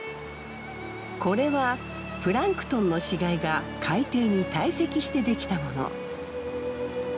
これはプランクトンの死骸が海底に堆積してできたもの。